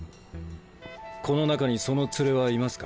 この中にその連れはいますか？